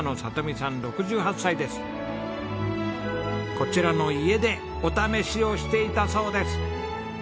こちらの家でお試しをしていたそうです。